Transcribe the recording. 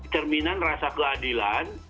cerminan rasa keadilan